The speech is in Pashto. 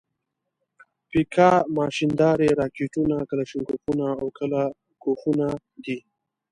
پیکا ماشیندارې، راکېټونه، کلاشینکوفونه او کله کوفونه دي.